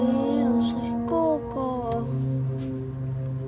旭川か。